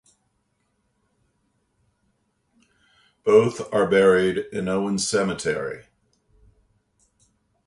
Both are buried in Owen cemetery.